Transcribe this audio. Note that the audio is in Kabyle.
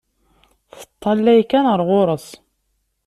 Teṭṭalay kan ɣer ɣur-s.